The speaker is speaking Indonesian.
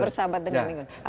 bersahabat dengan lingkungan